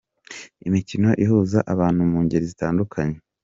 Imikino ihuza abantu mu ngeri zitandukanye.